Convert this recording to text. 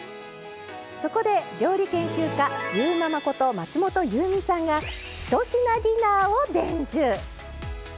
そこで料理研究家ゆーママこと松本ゆうみさんが１品ディナーを伝授。